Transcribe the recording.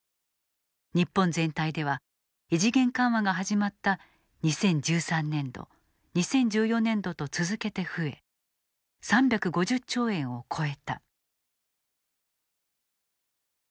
日本全体では異次元緩和が始まった２０１３年度２０１４年度と続けて増え３５０兆円を超えた。